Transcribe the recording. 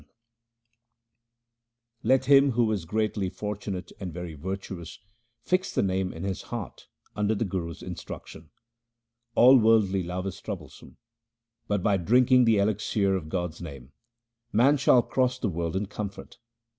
HYMNS OF GURU RAM DAS 349 Let him who is greatly fortunate and very virtuous, fix the Name in his heart under the Guru's instruction. All worldly love is troublesome, but, by drinking the elixir of God's name, man shall cross the world in comfort.